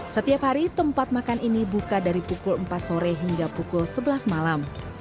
setiap hari tempat makan ini buka dari pukul empat sore hingga pukul sebelas malam